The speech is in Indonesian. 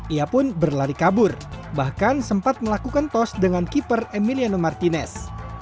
ia pun berlari kabur bahkan sempat melakukan tos dengan keeper emiliano martinez